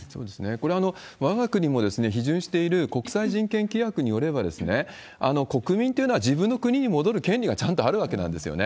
これ、わが国も批准している国際人権規約によれば、国民というのは自分の国に戻る権利がちゃんとあるわけなんですよね。